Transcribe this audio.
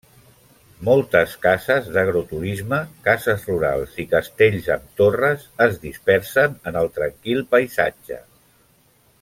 Moltes cases d'agroturisme, cases rurals i castells amb torres es dispersen en el tranquil paisatge.